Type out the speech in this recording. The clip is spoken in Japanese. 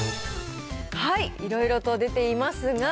いろいろと出ていますが。